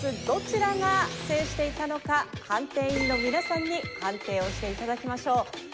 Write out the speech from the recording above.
どちらが制していたのか判定員の皆さんに判定をして頂きましょう。